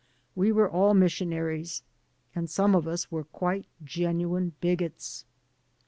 We were all missionaries, and some of us were quite genuine bigots.